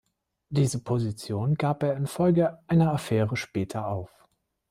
Diese Position gab er infolge einer Affäre später auf.